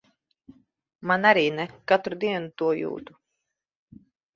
Man arī ne. Katru dienu to jūtu.